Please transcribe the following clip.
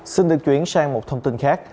xin được chuyển sang một thông tin khác